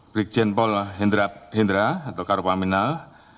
brigjen paul hindra atau karopaminal